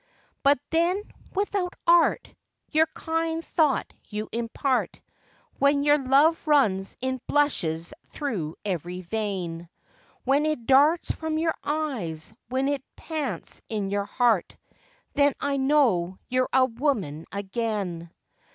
But then, without art, Your kind thought you impart, When your love runs in blushes through every vein; When it darts from your eyes, when it pants in your heart, Then I know you're a woman again.